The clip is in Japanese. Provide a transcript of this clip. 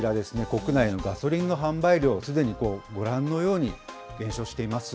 国内のガソリンの販売量、すでにご覧のように減少しています。